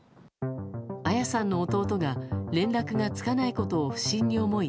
彩さんの弟が連絡がつかないことを不審に思い